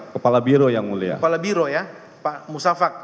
kepala biro yang mulia kepala biro ya pak musafak